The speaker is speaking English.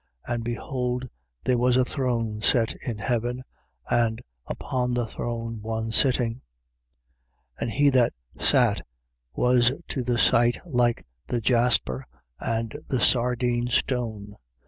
And behold, there was a throne set in heaven, and upon the throne one sitting. 4:3. And he that sat was to the sight like the jasper and the sardine stone.